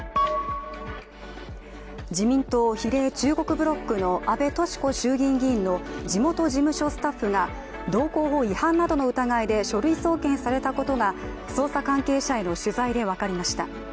自民党比例中国ブロックの阿部俊子衆議院議員の地元事務所スタッフが道交法違反などの疑いで書類送検されたことが捜査関係者への取材で分かりました。